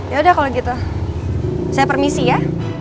yaudah kalau gitu saya permisi ya